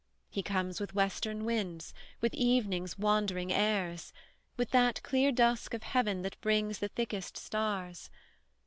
"He comes with western winds, with evening's wandering airs, With that clear dusk of heaven that brings the thickest stars.